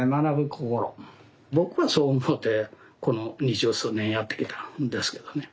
僕はそう思うてこの二十数年やってきたんですけどね。